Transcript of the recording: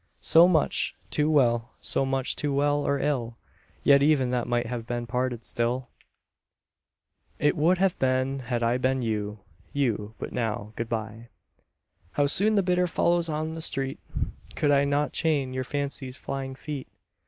So much too well so much too well or ill Yet even that might have been pardoned still It would have been had I been you you I! But now good bye! How soon the bitter follows on the sweet! Could I not chain your fancy's flying feet?